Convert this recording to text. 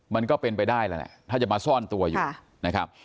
มันก็เป็นไปได้แล้วถ้าจะมาซ่อนตัวอยู่